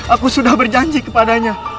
aku sudah berjanji kepadanya